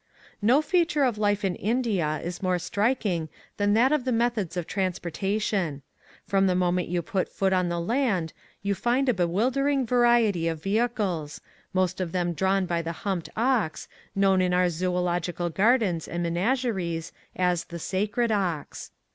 No feature of life in India is more striking than that of the methods of trans portation. From the moment you put foot on the land you find a bewildering variety of vehicles, most of them drawn by the humped ox, known in our zoologi cal gardens and menageries as the "sacred ox."